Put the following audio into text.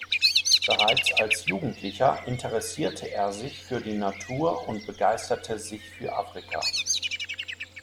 Bereits als Jugendlicher interessierte er sich für die Natur und begeisterte sich für Afrika.